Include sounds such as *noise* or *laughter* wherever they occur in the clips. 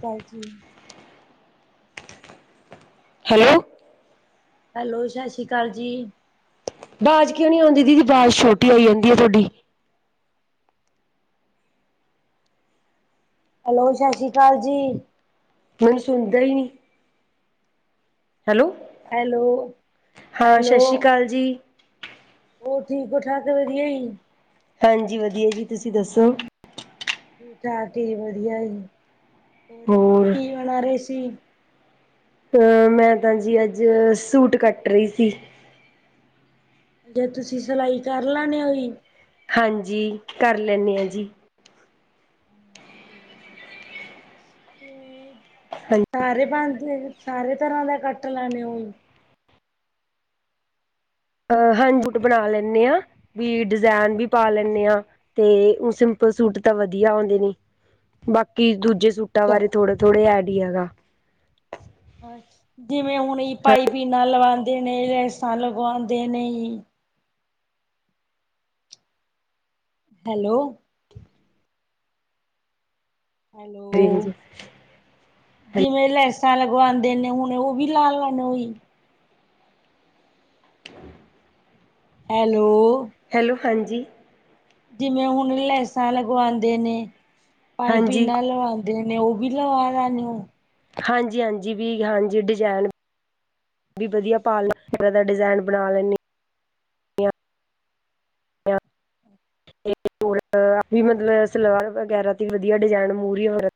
ਚਲ ਠੀਕ hello hello, ਸਸੀਕਾਲ ਜੀ। ਆਵਾਜ਼ ਕਿਉਂ ਨੀ ਆਉਂਦੀ ਦੀਦੀ ਆਵਾਜ਼ ਛੋਟੀ ਹੋਈ ਜਾਂਦੀ ਆ ਤੁਹਾਡੀ ਹੈਲੋ, ਸਸੀਕਾਲ ਜੀ। ਮੈਨੂੰ ਸੁਣਦਾ ਈ ਨੀ। ਹੈਲੋ, ਹੈਲੋ, ਹਾਂ ਸਸੀਕਾਲ ਜੀ। ਉਹ ਠੀਕ-ਠਾਕ ਵਧੀਆ ਈ। ਹਾਂਜੀ, ਵਧੀਆ ਜੀ ਤੁਸੀਂ ਦੱਸੋ। ਠੀਕ ਠਾਕ ਵਧੀਆ ਜੀ ਹੋਰ ਕੀ ਬਣਾ ਰਹੇ ਸੀ ਅ ਮੈਂ ਤਾਂ ਜੀ ਅੱਜ ਸੂਟ ਕੱਟ ਰਹੀ ਸੀ ਜੇ ਤੁਸੀਂ ਸਿਲਾਈ ਕਰ ਲੈਣੇ ਹੋ ਜੀ ਹਾਂਜੀ ਕਰ ਲੇਣੇ ਜੀ ਹਮ ਵੇਂ ਹਾਂਜੀ ਸਾਰੇ ਬ ਸਾਰੇ ਤਰ੍ਹਾਂ ਦਾ ਕੱਟ ਲਾਣੇ ਹੋ ਅ ਹਾਂਜੀ ਬਣਾ ਲੇਣੀ ਹਾਂ ਵੀ ਡਿਜ਼ਾਇਨ ਵੀ ਪਾ ਲੇਣੇ ਆ ਤੇ ਸਿੰਪਲ ਸੂਟ ਤਾਂ ਵਧੀਆ ਆਉਂਦੇ ਨੇ ਬਾਕੀ ਦੂਜੇ ਸੂਟਾਂ ਅੱਛਾ, ਬਾਰੇ ਥੋੜੇ ਥੋੜੇ ਐਡੀਆ ਜਿਵੇਂ ਹੁਣ ਪਾਈਪਿਗ ਲਵਾਉਂਦੇ ਨੇ ਲਸੈ ਲਗਵਾਉਂਦੇ ਨੇ ਹੈਲੋ ਜੀ ਹੈਲੋ। ਜਿਵੇਂ ਲੈਸਾਂ ਲਗਵਾਉਂਦੇ ਨੇ ਹੁਣ ਉਹ ਵੀ ਲਾ ਲੈਣੇ ਹੋ ਜੀ ਹੈਲੋ ਹੈਲੋ ਹਾਂਜੀ ਜਿਵੇਂ ਹੁਣ ਲੈਸਾਂ ਲਗਵਾਉਂਦੇ ਨੇ ਪਾਈਪਿੰਗ ਹਾਂਜੀ ਲਵਾਉਂਦੇ ਦੇ ਨੇ ਉਹ ਵੀ ਲਵਾ ਲੈਣੇ ਓ ਹਾਂਜੀ ਹਾਂਜੀ ਵੀ ਹਾਂਜੀ ਡਿਜ਼ਾਇਨ ਵੀ ਵਦੀਆ ਪਾਲ *unintelligible* ਦਾ ਡਿਜ਼ਾਇਨ ਬਣਾ ਲੈਨੀ *unintelligible* ਮਤਲਬ ਸਲਵਾਰ ਵਗੈਰਾ ਤੇ ਵਧੀਆ ਡਿਜ਼ਾਇਨ ਮੂਹਰੀ ਹੋਰ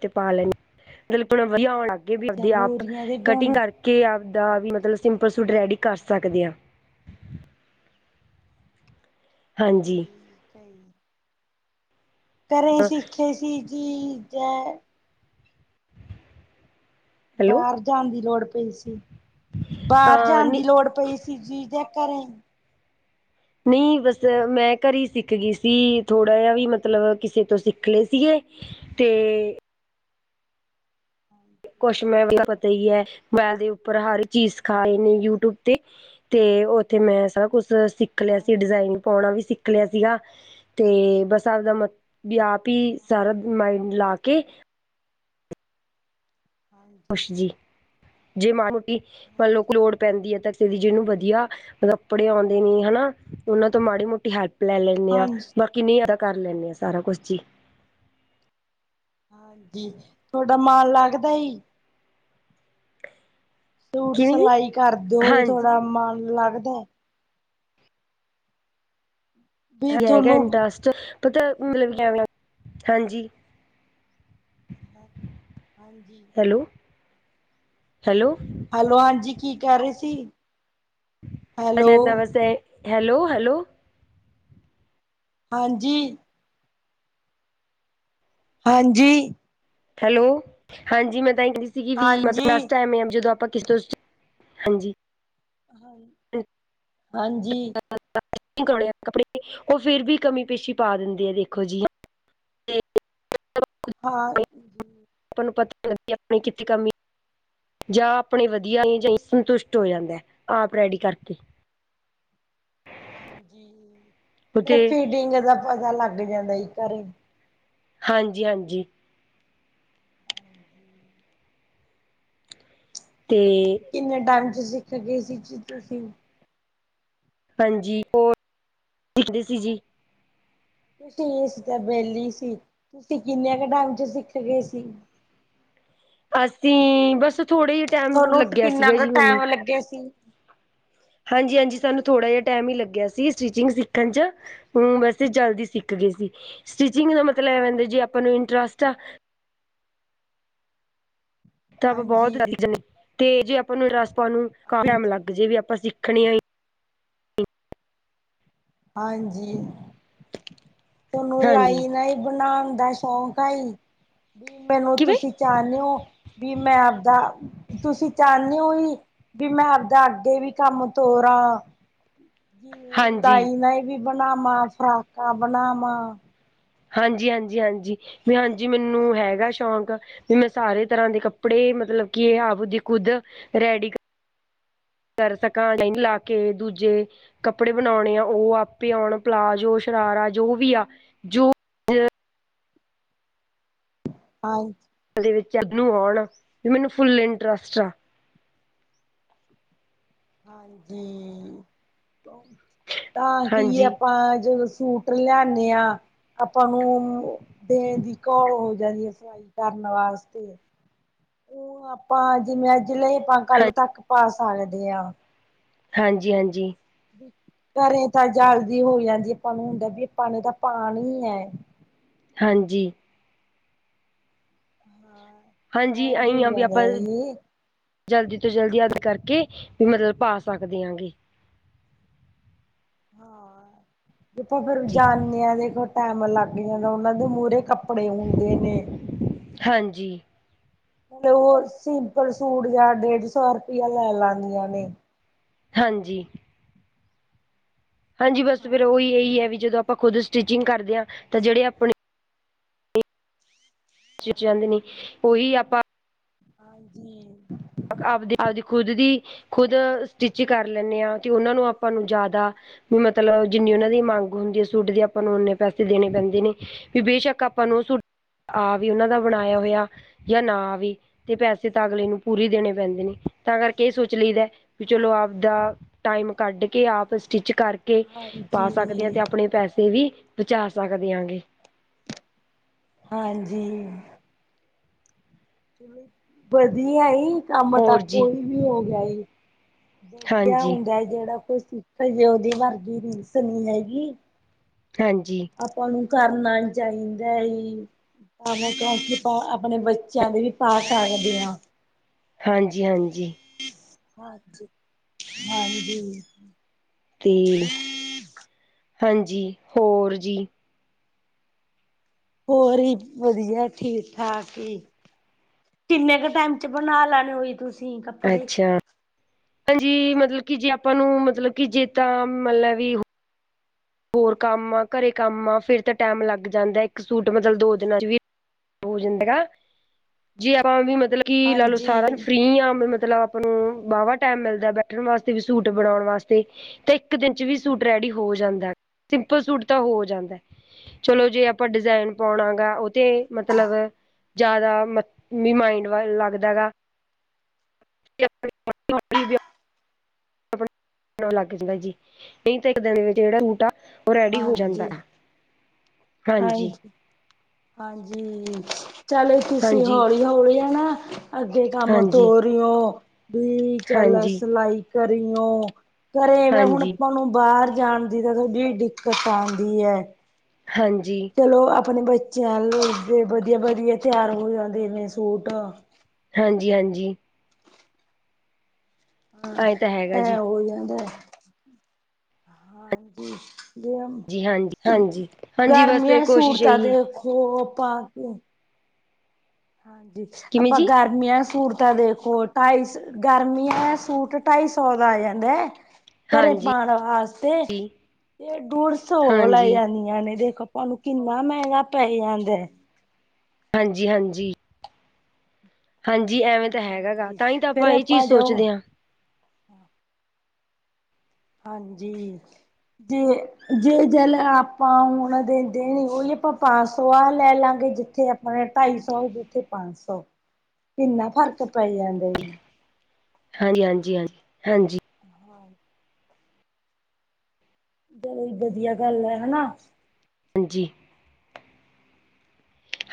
ਤੇ ਪਾ ਲੈ *unintelligible* ਆਉਣ ਲੱਗਗੇ ਵੀ ਅੱਛਾ ਆਪਦੇ ਆਪ ਮੋਰੀਆਂ ਦੇ ਬਣ ਕਟਿੰਗ ਕਰ ਕੇ ਆਪਦਾ ਵੀ ਮਤਲਬ ਸਿੰਪਲ ਸੂਟ ਰੈਡੀ ਕਰ ਸਕਦੇ ਆ। ਹਾਂਜੀ *unintelligible* ਘਰੇ ਸਿੱਖੇ ਸੀ ਜੀ, ਜੈ ਹੈਲੋ ਬਾਰ ਜਾਨਾ ਦੀ ਲੋੜ ਪਈ ਸੀ, ਬਾਹਰ ਅ ਜਾਨਾ ਦੀ ਨੀ ਲੋੜ ਪਈ ਸ ਸੀ ਜੇ ਘਰੇ ਨਈ ਬਸ ਮੈਂ ਘਰੀ ਸਿੱਖ ਗੀ ਸੀ ਥੋੜ੍ਹਾ ਜਯਾ ਵੀ ਮਤਲਬ ਕਿਸੇ ਤੋ ਸਿੱਖ ਲੇ ਸੀਗੇ। ਤੇ ਹਾਂਜੀ ਕੁਛ ਮੈ *unintelligible* ਪਤਾ ਈ ਐ ਮੋਬਾਇਲ ਦੇ ਉੱਪਰ ਹਰ ਚੀਜ਼ ਸਿਖਾ ਰੇ ਨੇ ਯੂਟਿਊਬ ਤੇ। ਤੇ ਓਥੇ ਮੈਂ ਸਬ ਕੁਛ ਸਿੱਖ ਸਿੱਖ ਲਿਆ ਸੀ, ਹਾਂਜੀ ਡਿਜ਼ਾਇਨ ਪਾਉਣਾ ਵੀ ਸਿੱਖ ਲਿਆ ਸੀਗਾ ਤੇ ਬਸ ਆਪਦਾ ਮ ਬੀ ਆਪ ਈ ਸਾਰਾ ਹਾਂਜੀ ਮਾਈਂਡ ਲਾ ਕੇ ਹਾਂਜੀ ਕੁਛ ਜੀ ਜੇ ਮਾੜੀ ਮੋਟੀ ਮਨ ਲੋ ਹਾਂਜੀ ਲੋੜ ਪੈਂਦੀ ਆ ਤਾਂ *unintelligible* ਦੀ ਜਿਨੂੰ ਵਦੀਆ ਕੱਪੜੇ ਆਉਂਦੇ ਨੇ ਹਨਾ ਓਨਾ ਤੋਂ ਮਾੜੀ ਮੋਟੀ ਹੈਲਪ ਲੈ ਲੈਨੇ ਆਂ, ਹਾਂਜੀ ਬਾਕੀ ਨਈ ਅਦਾ ਕਰ ਲੈਂਨੇ ਆ ਸਾਰਾ ਕੁਛ ਜੀ। ਜੀ ਥੌਡਾ ਮਨ ਲੱਗਦਾ ਜੀ? ਸੂਟ ਕਿਵੇਂ ਜੀ ਸਿਲਾਈ ਕਰਦੇ ਓ ਹਾਂਜੀ ਥੋਡਾ ਮਨ ਲੱਗਦੈ? ਵੀ ਐ ਹੈਗਾ ਤੁਹਾਨੂੰ ਇੰਟਸਟ ਪਤਾ ਐ ਮਤਲਬ *unintelligible* ਹਾਂਜੀ ਹਾਂਜੀ। Hello, hello. ਹੈਲੋ, ਹਾਂਜੀ ਕੀ ਕੈ ਰੇ ਸੀ? ਹੈਲੋ *unintelligible* ਵਾਸਤੇ ਹੈਲੋ, ਹੈਲੋ ਹਾਂਜੀ। ਹਾਂਜੀ। ਹੈਲੋ, ਹਾਂਜੀ ਮੈਂ ਤਾਂ ਆਈ ਕੈ ਰੀ ਸੀਗੀ ਵੀ ਮਤਲਬ ਹਾਂਜੀ ਲਾਸਟ ਟੇਮ *unintelligible* ਹਾਂਜੀ। ਹਾਂਜੀ। *unintelligible* ਕੱਪੜੇ ਓ ਫੇਰ ਵੀ ਕਮੀ ਪੇਸ਼ੀ ਪਾ ਦੇਂਦੇ ਐ ਦੇਖੋ ਜੀ। ਹਾਂ। ਆਪਾਂ ਨੂੰ ਪਤਾ *unintelligible* ਆਪਣੀ ਕਿੱਥੇ ਕਮੀ ਜਾਂ ਆਪਣੇ ਵਦੀਆ *unintelligible* ਸੰਤੁਸ਼ਟ ਹੋ ਜਾਂਦਾ ਐ ਆਪ ਰੈਡੀ ਕਰਕੇ। ਹਾਂਜੀ, ਨਈ ਉਤੇ ਫੀਡਿੰਗ ਦਾ ਪਤਾ ਲੱਗ ਜਾਂਦਾ ਜੀ ਘਰੇ ਹਾਂਜੀ-ਹਾਂਜੀ। ਹਾਂਜੀ। ਤੇ ਕਿੰਨੇ ਟਾਈਮ 'ਚ ਸਿੱਖ ਗਏ ਸੀ ਜੀ ਤੁਸੀਂ? ਹਾਂਜੀ *unintelligible* ਸਿੱਖਦੇ ਸੀ ਜੀ। ਤੁਸੀਂ ਇਸ ਤੇ ਵੇਲੀ ਸੀ ਤੁਸੀਂ ਕਿੰਨੇ ਕ ਟਾਈਮ 'ਚ ਸਿੱਖ ਗੇ ਸੀ? ਅਸੀਂ ਬਸ ਥੋੜ੍ਹੇ ਜੇ ਟਾਈਮ ਲੱਗਿਆ ਸੀਗਾ ਜੀ ਮੈਨੂੰ। ਲੱਗੇ ਸੀ। ਹਾਂਜੀ-ਹਾਂਜੀ ਹਾਂਜੀ ਸਾਨੂੰ ਥੋੜਾ ਜਾ ਟਾਈਮ ਈ ਲੱਗਿਆ ਸੀ ਸਟੀਚਿੰਗ ਸਿੱਖਣ 'ਚ ਹੂੰ, ਵੈਸੇ ਜਲਦੀ ਸਿੱਖ ਗੇ ਸੀ। ਸਟਿਚਿੰਗ ਦਾ ਮਤਲਬ ਇਹ ਵਾ ਜੇ ਆਪਾਂ ਨੂੰ ਇੰਟਰਸਟ ਆ। ਤਾਂ ਆਪਾਂ ਬਹੁਤ ਹਾਂਜੀ *unintelligible* ਤੇ ਜੇ ਆਪਾਂ ਨੂੰ ਇੰਟਰਸਟ ਪਾ *unintelligible* ਣ ਨੂੰ ਕਾਫੀ ਹਾਂਜੀ ਟਾਈਮ ਲੱਗ ਜੇ ਵੀ ਆਪਾਂ ਸਿੱਖਣੇ ਨੇ। ਹਾਂਜੀ। ਤੁਹਾਨੂੰ ਹਾਂਜੀ ਲਾਈਨਾ ਈ ਬਨਾਣ ਦਾ ਸ਼ੌਂਕ ਆਈ ਵੀ ਮੈਨੂੰ ਕਿਵੇਂ ਤੁਸੀਂ ਚਾਨਿਉ ਵੀ ਮੈਂ ਆਪਦਾ ਤੁਸੀਂ ਚਾਨਿਉ ਵੀ ਬੀ ਮੈਂ ਆਪਦਾ ਅੱਗੇ ਵੀ ਕੰਮ ਤੋਰਾਂ। ਜਿਵੇਂ ਹਾਂਜੀ। ਲਾਈਨਾ ਹੀ ਵੀ ਬਨਾਵਾਂ ਫਰਾਕਾਂ ਬਨਾਵਾਂ। ਹਾਂਜੀ ਹਾਂਜੀ ਹਾਂਜੀ ਵੀ ਹਾਂਜੀ ਮੈਨੂੰ ਹੈਗਾ ਸ਼ੌਕ। ਵੀ ਮੈਂ ਸਾਰੇ ਤਰ੍ਹਾਂ ਦੇ ਕੱਪੜੇ ਮਤਲਬ ਕਿ ਆਂਵਦੀ ਖੁੱਦ ਰੈਡੀ ਕਰ ਕਰ ਸਕਾਂ ਨਹੀਂ ਲਾ ਕੇ ਦੂਜੇ ਕੱਪੜੇ ਬਣਾਉਣੇ ਆ ਉਹ ਆਪੇ ਆਉਣ ਪਲਾਜ਼ੋ, ਸ਼ਰਾਰਾ ਜੋ ਵੀ ਆ ਜੋ ਹਾਂ ਜੀ। *unintelligible* ਦੇ ਵਿੱਚ ਇਹਨੂੰ ਆਉਣ ਮੈਨੂੰ ਫੁੱਲ ਇੰਟਰਸਟ ਆ। ਹਾਂਜੀ ਤਾਂ ਕੀ ਹਾਂਜੀ ਆਪਾਂ ਜਦੋਂ ਸੂਟ ਲਿਆਨੇ ਹਾਂ ਆਪਾਂ ਨੂੰ ਦੇਣ ਦੀ ਘੋਲ ਹੋ ਜਾਂਦੀ ਹੈ। ਕਰਨ ਵਾਸਤੇ। ਉਹ ਆਪਾਂ ਜਿਵੇਂ ਅੱਜ ਲਏ ਆਪਾਂ ਹਾਂ ਕੱਲ ਤੱਕ ਪਾ ਸਾਕਦੇ ਆ। ਹਾਂਜੀ ਹਾਂਜੀ। ਘਰੇ ਤਾਂ ਜਾਲਦੀ ਹੋਈ ਜਾਂਦੀ ਅਪਾਂ ਨੂੰ ਹੁੰਦਾ ਵੀ ਆਪਾਂ ਨੇ ਤਾਂ ਪਾਣੀ ਏ। ਹਾਂਜੀ। ਹਾਂ ਹਾਂਜੀ ਐ ਅਹੀ ਵੀ ਹੋ ਆ ਬੀ ਜਾਂਦਾ ਆਪਾਂ ਇਹ ਜਲਦੀ ਤੋਂ ਜਲਦੀ ਅੱਦ ਕਰਕੇ ਵੀ ਮਤਲਬ ਪਾ ਸਕਦੇ ਆਂ ਗੇ। ਹਾ ਆਪਾ ਫਿਰ ਜੀ ਜਾਨੇ ਆ ਦੇਖੋ ਟੈਮ ਲੱਗ ਜਾਂਦਾ ਹੁੰਦਾ ਨਾਂ ਮੂਹਰੇ ਕੱਪੜੇ ਹੁੰਦੇ ਨੇ ਹਾਂਜੀ। ਉਹ ਸਿੰਪਲ ਸੂਟ ਜਾਂ ਡੇਢ ਸੌ ਰਪਿਆ ਲੈ ਲੈਦਿਆਂ ਨੇ। ਹਾਂਜੀ। ਹਾਂਜੀ ਬਸ ਫੇਰ ਉਹੀ ਹਾਂਜੀ ਇਹੀ ਹੈ ਵੀ ਹਾਂਜੀ ਜਦੋਂ ਆਪਾਂ ਖੁਦ ਸਟਿਚਿੰਗ ਕਰਦੇ ਆ ਤਾਂ ਜਿਹੜੇ ਆਪਣੇ ਸਚਿਅੰਗ ਨੇ ਉਹੀ ਆਪਾਂ *unintelligible* ਹਾਂਜੀ। ਆਪਦੀ ਆਪਦੀ ਖੁਦ ਦੀ ਖੁਦ ਸਟਿਚ ਕਰ ਲੈਂਨੇ ਆ ਤੇ ਉਹਨਾਂ ਨੂੰ ਆਪਾਂ ਨੂੰ ਜੈਦਾ ਵੀ ਮਤਲਬ ਜਿੰਨੀ ਉਹਨਾਂ ਦੀ ਮੰਗ ਹੁੰਦੀ ਹੈ ਸੂਟ ਦੀ ਆਪਾਂ ਨੂੰ ਓਨੇ ਪੈਸੇ ਦੇਣੇ ਪੈਂਦੇ ਨੇ। ਫਿਰ ਬੇਸ਼ੱਕ ਆਪਾਂ ਨੂੰ ੳਹ ਸੂ ਆਵੇ ਉਹਨਾਂ ਦਾ ਬਣਾਇਆ ਹੋਇਆ ਯਾ ਨਾ ਆਵੇ ਤੇ ਪੈਸੇ ਤਾਂ ਅਗਲੇ ਨੂੰ ਪੂਰੇ ਦੇਣੇ ਪੈਂਦੇ ਨੇ ਤਾਂ ਕਰਕੇ ਇਹ ਸੋਚ ਲਈਦਾ ਵੀ ਹਾਂ ਚਲੋ ਆਪਦਾ ਟਾਈਮ ਕੱਢ ਕੇ ਆਪ ਸਟਿੱਚ ਕਰਕੇ ਪਾ ਸਕਦੇ ਆ ਹਾਂਜੀ ਤੇ ਆਪਣੇ ਪੈਸੇ ਵੀ ਬਚਾ ਸਕਦੇ ਆ ਗੇ। ਹਾਂਜੀ। ਵਧੀਆ ਈ ਕੰਮ ਤਾਂ ਹੋਰ ਜੀ ਕੋਈ ਵੀ ਹੋ ਗਿਆ ਈ। ਵਧੀਆ ਹਾਂਜੀ ਹੁੰਦਾ ਜਿਹੜਾ ਕੋਈ ਸਿੱਖ ਜੇ ਉਹਦੀ ਵਰਗੀ ਰੀਸ ਨਹੀਂ ਹੈਗੀ। ਹਾਂਜੀ। ਆਪਾਂ ਨੂੰ ਕਰਨਾ ਚਾਹੀਦਾ ਈ ਭਾਵੇ ਕਿਉਂਕਿ ਆਪ ਆਪਣੇ ਬ ਬੱਚੇਆਂ ਦੇ ਵੀ ਪਾ ਸਾਕਦੇ ਆ ਹਾਂਜੀ-ਹਾਂਜੀ। ਹਾਂਜੀ। ਤੇ, ਹਾਂਜੀ ਹੋਰ ਜੀ। ਹੋਰ ਵੀ ਵਧੀਆ ਠੀਕ ਠਾਕ ਈ ਕਿੰਨੇ ਕੁ ਟਾਈਮ ਚ ਬਣਾ ਲੈਣੇ ਓ ਤੁਸੀਂ ਕੱਪੜੇ ਅੱਛਾ। ਹਾਂਜੀ, ਮਤਲਬ ਕੀ ਜੇ ਆਪਾਂ ਨੂੰ ਮਤਲਬ ਕਿ ਜੇ ਤਾਂ ਮੰਨਲਾ ਵੀ ਹੋਰ ਕੰਮ ਆ, ਘਰੇ ਕੰਮ ਆ ਫਿਰ ਤਾ ਟੈਮ ਲੱਗ ਜਾਂਦਾ ਇੱਕ ਸੂਟ ਮਤਲਬ ਦੋ ਦਿਨਾਂ ਚ ਵੀ ਹੋ ਜਾਂਦਾ ਗਾ ਜੇ ਆਪਾਂ ਵੀ ਮਤਲਬ ਕੀ ਲਾ ਲਓ ਸਾਰਾ ਦਿਨ ਨੂੰ ਹਾਂਜੀ, ਫਰੀ ਆ ਮਤਲਬ ਆਪ ਨੂੰ ਵਾਹਵਾ ਟੈਮ ਮਿਲਦਾ ਬੈਠਣ ਵਾਸਤੇ ਵੀ ਸੂਟ ਬਣਾਉਣ ਵਾਸਤੇ ਤੇ ਇੱਕ ਦਿਨ ਚ ਵੀ ਸੂਟ ਰੈਡੀ ਹੋ ਜਾਂਦਾ। ਸਿੰਪਲ ਸੂਟ ਤਾਂ ਹੋ ਜਾਂਦਾ ਚਲੋ ਜੇ ਆਪਾਂ ਡਿਜ਼ਾਇਨ ਪਾਉਣਾ ਓਹ ਤੇ ਮਤਲਬ ਜਾਦਾ ਮੱ ਵੀ ਮਾਇੰਡ ਵ ਲੱਗਦਾ ਗਾ ਲੱਗ ਜਾਂਦਾ ਜੀ ਨਹੀਂ ਇੱਕ ਦਿਨ ਵਿੱਚ ਜੇੜਾ ਸੂਟ ਆ ਓਹ ਰੈਡੀ ਹੋ ਜਾਂਦਾ ਹਾਂਜੀ, ਹੈ। ਹਾਂਜੀ, ਹਾਂਜੀ ਚਲੋ ਤੁਸੀਂ ਹਾਂਜੀ ਹੌਲੀ ਹੌਲੀ ਅ ਨਾ ਅੱਗੇ ਕੰਮ ਹਾਂਜੀ ਤੋਰੇਓ ਵੀ ਚੱਲ ਹਾਂਜੀ ਸਿਲਾਈ ਕਰੀਯੋਂ। ਘਰੇ ਮੈਂ ਹੁਣ ਹਾਂਜੀ ਆਪਾਂ ਨੂੰ ਬਾਹਰ ਜਾਣ ਦੀ ਤਾਂ ਥੋਡੀ ਜੀ ਦਿੱਕਤ ਆਉਂਦੀ ਹੈ। ਹਾਂਜੀ। ਚਲੋ, ਆਪਣੇ ਬੱਚਿਆਂ ਦੇ ਵਧੀਆ -ਵਧੀਆ ਤਿਆਰ ਹੋ ਜਾਂਦੇ ਇੰਨੇ ਸੂਟ ਹਾਂਜੀ-ਹਾਂਜੀ ਹਾਂ ਐ ਤਾਂ ਹੈਗਾ ਇਹ ਜੀ ਹੋ ਜਾਂਦਾ, ਹਾਂਜੀ। ਜੀ ਹਾਂਜੀ ਜ ਹਾਂਜੀ ਹਾਂਜੀ ਬਸ ਗਰਮੀਆਂ ਚ ਸੂਟ ਕੋਸ਼ਿਸ਼ ਤਾ ਇਹੀ ਦੇਖੋ ਪਾ ਕੇ ਹਾਂਜੀ, ਕਿਵੇਂ ਆਪਾਂ ਜੀ ਗਰਮੀਆਂ ਸੂਟ ਤਾਂ ਦੇਖੋ ਢਾਈ ਗਰਮੀਆਂ ਦਾ ਸੂਟ ਟਾਈ ਸੌ ਦਾ ਆ ਜਾਂਦਾ ਐ- ਘਰੇ ਹਾਂਜੀ ਪਾਨ ਵਾਸਤੇ ਹਾਂਜੀ ਤੇ ਡੂੜ ਸੋ ਲੈ ਹਾਂਜੀ ਜਾਂਦੀ। ਪੈਨੇ ਦੇਖੋ ਤੁਹਾਨੂੰ ਕਿੰਨਾ ਮਹਿੰਗਾ ਪੈ ਜਾਂਦਾ। ਹਾਂਜੀ- ਹਾਂਜੀ ਹਾਂਜੀ, ਐਵੇਂ ਤਾਂ ਹੈਗਾ ਗਾ ਹਾਂਜੀ ਤਾਂ ਹੀ ਤਾਂ ਫੇਰ ਆਪਾਂ ਇਹ ਚੀਜ਼ ਜਾਓ ਸੋਚਦੇ ਆ। ਹਾਂਜੀ ਜੇ ਜੇ ਜਲ ਆਪਾ ਹੁਨ ਦਿੰਦੇ ਨਈ ਓਇਓ ਆਪਾਂ ਪੰਜ ਸੌ ਲੈ ਲਾਗੇ ਜਿੱਥੇ ਨਾਲੇ ਢਾਈ-ਸੌ ਕਿੱਥੇ ਪੰਜ-ਸੌ ਕਿੰਨਾ ਫ਼ਰਕ ਪੈ ਜਾਂਦਾ ਜ ਹਾਂਜੀ -ਹਾਂਜੀ- ਹਾਂਜੀ, ਹਾਂਜੀ। *inaudible* ਦੋ ਵਧੀਆ ਗੱਲ ਹੈ ਨਾ ਹਾਂਜੀ।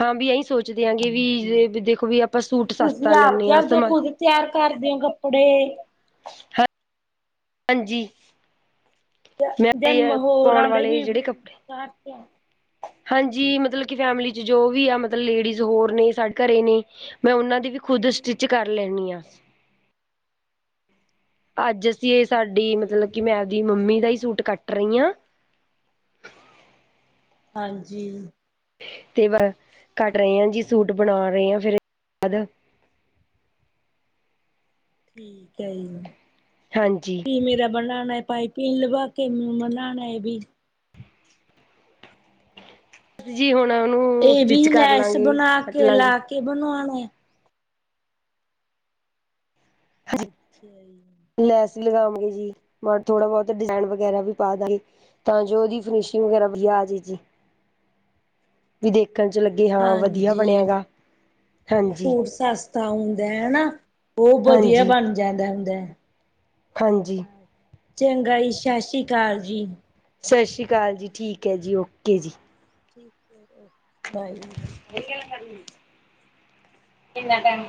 ਹਾਂ ਵੀ ਇਹੀਂ ਸੋਚਦੇ ਆ ਗੇ ਹਾਂਜੀ ਵੀ ਦੇਖੋ ਵੀ ਆਪਾਂ ਸੂਟ ਤੁਸੀਂ ਸਸਤਾ ਲੈਂਦੇ ਆਪਦੇ ਹਾਂ ਆਪਦੇ ਸਮਾ ਖੁਦ ਤਿਆਰ ਕਰਦੇ ਆ ਕੱਪੜੇ ਹ ਹਾਂਜੀ ਮੈਂ ਦੇ ਪਾਉਣ ਮਹੋਰਾਂ ਦੇ ਵਾਲੇ ਵੀ ਜੇੜੇ ਕਪੜੇ ਤਿਆਰ? ਹਾਂਜੀ ਮਤਲਬ ਕਿ ਫੈਮਿਲੀ ਚ ਜੋ ਵੀ ਆ ਮਤਲਬ ਲੇਡੀਜ਼ ਹੋਰ ਨੇ ਸਾਡੇ, ਘਰ ਨੇ ਮੈਂ ਓਨਾਂ ਦੀ ਵੀ ਖੁਦ ਸਟਿੱਚ ਕਰ ਲੈਨੀ ਆ। ਅੱਜ ਅਸੀਂ ਇਹ ਸਾਡੀ ਹਾਂਜੀ। ਮਤਲਬ ਕਿ ਮੈਂ ਆਪਦੀ ਮੰਮੀ ਦਾ ਹੀ ਸੂਟ ਕੱਟ ਰਹੀ ਆ। ਹਾਂਜੀ ਤੇ ਕੱਟ ਰਹੇ ਆ ਜੀ। ਸੂਟ ਬਨਾ ਰਹੇ ਆ ਫਿਰ ਬਾਦ ਠੀਕ ਐ ਜੀ। ਹਾਂਜੀ ਕਿਵੇ ਦਾ ਬਣਾਣਾ ਏ ਪਾਈਪਿੰਨ ਲਵਾ ਕੇ ਮਣਾਣਾ ਐ ਵੀ ਜੀ ਹੋਣ ਉਹਨੂੰ ਏ ਵੀ ਸਟਿਚ ਕਰ ਲੈਸ ਲਾਂਗੇ ਬਣਾ ਕੱਟ ਕੇ ਲਾਂਗੇ ਲਾ ਕੇ ਬਨੋਨਾ ਏ। ਅੱਛਾ ਜੀ। ਸੀਂ ਲਗਾਵਾਂਗੇ ਜੀ ਪਰ ਥੋੜਾ ਬੋਤ ਡਿਜ਼ੇਨ ਵਗੈਰਾ ਵੀ ਪਾ ਦੇਨ। ਤਾਂ ਜੋ ਓਦੀ ਫਿਨਿਸ਼ਿੰਗ ਵਗੈਰਾ ਵਧੀਆ ਆਜੇ ਜੀ। ਵੀ ਦੇਖਣ ਚ ਲੱਗੇ ਹਾਂ ਵਧੀਆ ਹਾਂਜੀ ਬਣਿਆ ਗਾ ਹਾਂਜੀ। ਤਾਂ ਹੁੰਂਦਾ ਹਨਾ। ਓ ਵਧੀਆ ਹਾਂਜੀ ਬਣ ਜਾਂਦਾ ਹੁੰਦਾ। ਹਾਂਜੀ ਚੰਗਾ ਜੀ ਸ਼ਸ਼ ਸੀ ਕਾਲ ਜੀ। ਸਸ ਸ਼੍ਰੀ ਕਾਲ ਜੀ ਠੀਕ ਹੈ ਜੀ ਓਕੇ ਜੀ। *inaudible* ਨਈ ਗੱਲ ਕਰਨੀ? ਕਿੰਨਾ ਟਾਈਮ